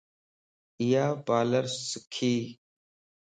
ايا پالر سکي